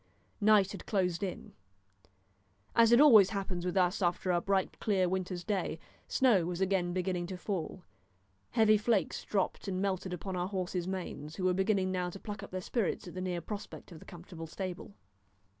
Night had closed in. As it always happens with us after a bright clear winter's day, snow was again beginning to fall, heavy flakes dropped and melted upon our horses' manes, who were beginning now to pluck up their spirits at the near prospect of the comfortable stable.